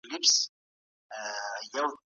قومونه په هيواد کي په آرامۍ سره ژوند وکړي؟